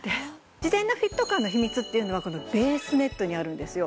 自然なフィット感の秘密っていうのはこのベースネットにあるんですよ。